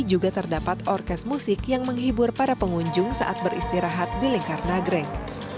juga terdapat orkes musik yang menghibur para pengunjung saat beristirahat di lingkar nagrek